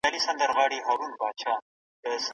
هغه د وژنو او چور په اړه بحث کوي.